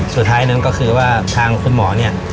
สุดท้ายนั้นก็คือว่าทางคุณหมอเนี่ย